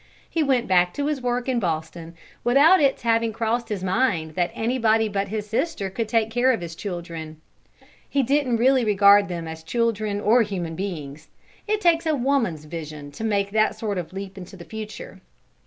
He went back to his work in Boston without its having crossed his mind that anybody but his sister could take care of his children. He didn't really regard them as children or human beings; it takes a woman's vision to make that sort of leap into the future.